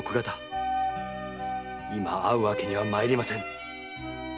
今会うわけにはまいりません。